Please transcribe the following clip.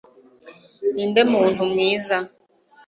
ninde muntu mwiza